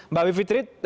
mbak wifi trit